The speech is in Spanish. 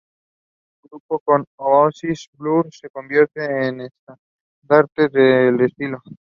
Grupos como Oasis o Blur se convirtieron en estandartes del estilo.